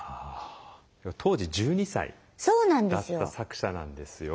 当時１２歳だった作者なんですよ。